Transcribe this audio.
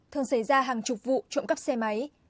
thường xảy ra hàng chục vụ trộm cắp xe máy